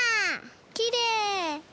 きれい！